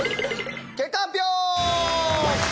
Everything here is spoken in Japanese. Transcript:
結果発表！